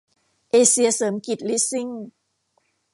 เอเซียเสริมกิจลีสซิ่ง